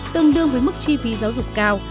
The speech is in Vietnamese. tương đương với mức chi phí giáo dục cao